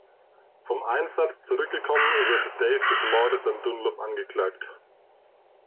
Vom Einsatz zurückgekommen, wird Dave des Mordes an Dunlop angeklagt.